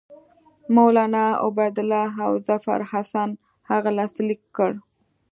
مولنا عبیدالله او ظفرحسن هغه لاسلیک کړه.